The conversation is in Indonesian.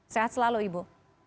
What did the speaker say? sehat selalu ibu